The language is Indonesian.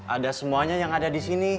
ada semuanya yang ada di sini